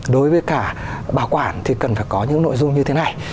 đối với cả bảo quản thì cần phải có những nội dung như thế này